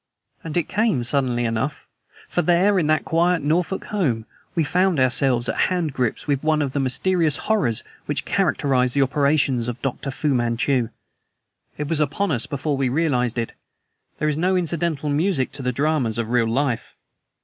And it came suddenly enough; for there in that quiet Norfolk home we found ourselves at hand grips with one of the mysterious horrors which characterized the operations of Dr. Fu Manchu. It was upon us before we realized it. There is no incidental music to the dramas of real life.